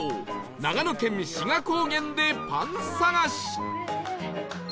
長野県・志賀高原でパン探し